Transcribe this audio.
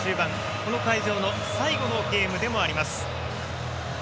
この会場の最後のゲームでもあります。